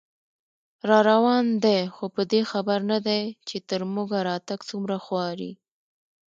راروان دی خو په دې خبر نه دی، چې تر موږه راتګ څومره خواري